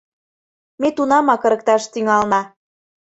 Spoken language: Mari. Ме тунамак ырыкташ тӱҥална.